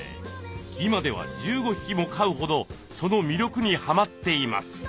今では１５匹も飼うほどその魅力にはまっています。